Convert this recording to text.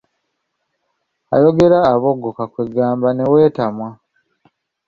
Ayogera aboggoka kwe ggamba ne weetamwa.